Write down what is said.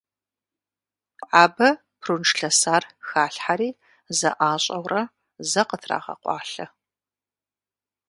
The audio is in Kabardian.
Абы прунж лъэсар халъхьэри, зэӀащӀэурэ, зэ къытрагъэкъуалъэ.